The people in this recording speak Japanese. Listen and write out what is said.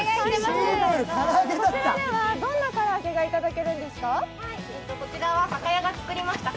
こちらではどんな唐揚げがいただけるんですか？